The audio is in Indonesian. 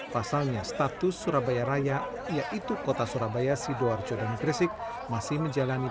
pasalnya status surabaya raya yaitu kota surabaya sidoarjo dan gresik masih menjalani